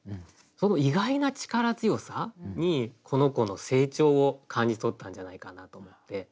その意外な力強さにこの子の成長を感じとったんじゃないかなと思って。